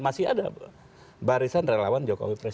masih ada barisan relawan jokowi